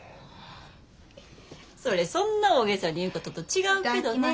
それそんな大げさに言うことと違うけどね。